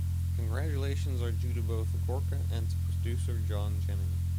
Congratulations are due to both Gorka and to producer John Jennings.